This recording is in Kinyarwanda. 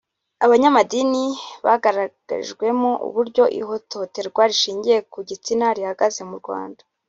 " abanyamadini bagaragarijwemo uburyo ihohoterwa rishingiye ku gitsina rihagaze mu Rwanda